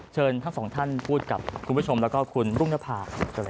เชิญทั้งสองท่านพูดกับคุณผู้ชมแล้วก็คุณรุ่งนภา